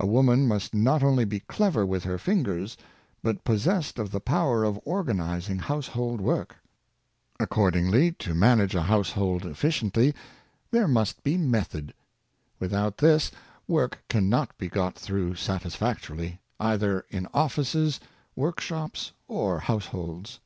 A woman must not only be clever with her fingers, but possessed of the power of organizing household work. Accordingl}^, to manage a household efficiently, there must be method. Without this, work can not be got through satisfactorily, either in offices, workshops, or households.